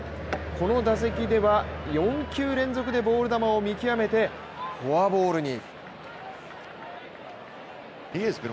この打席では４球連続でボール球を見極めてフォアボールに。